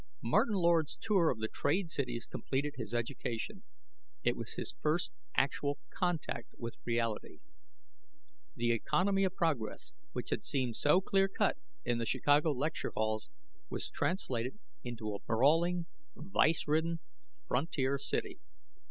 Martin Lord's tour of the trade cities completed his education. It was his first actual contact with reality. The economy of progress, which had seemed so clear cut in the Chicago lecture halls, was translated into a brawling, vice ridden, frontier city.